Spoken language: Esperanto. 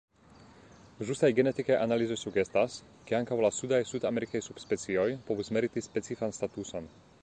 Ĵusaj genetikaj analizoj sugestas, ke ankaŭ la sudaj sudamerikaj subspecioj povus meriti specifan statuson.